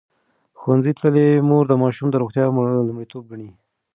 ښوونځې تللې مور د ماشوم روغتیا لومړیتوب ګڼي.